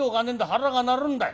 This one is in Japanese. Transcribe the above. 腹が鳴るんだよ。